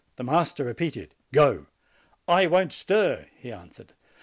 The master repeated : "Go!" "I won't stir," he answered.